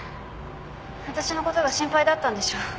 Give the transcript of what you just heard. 私のことが心配だったんでしょ？